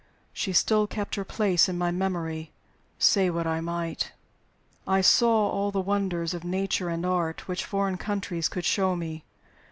She still kept her place in my memory, say what I might. I saw all the wonders of Nature and Art which foreign countries could show me.